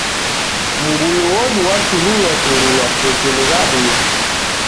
Mngulu odu waturulwa turulwa putu ni w'adudu.